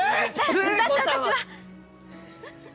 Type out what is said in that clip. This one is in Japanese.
だって、私は！